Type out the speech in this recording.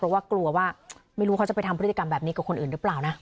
เพราะว่ากลัวว่าไม่รู้เขาจะไปทำพฤติกรรมแบบนี้กับคนอื่นหรือเปล่านะ